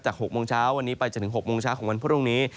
๖โมงเช้าวันนี้ไปจนถึง๖โมงเช้าของวันพรุ่งนี้